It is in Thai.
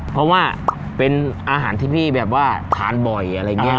เพราะว่าเป็นอาหารที่พี่แบบว่าทานบ่อยอะไรอย่างนี้